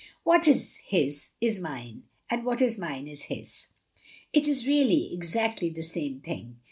What is his is mine, and what is mine is his. It is really exactly the same thing.